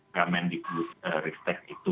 kementerian pendidikan dan riset itu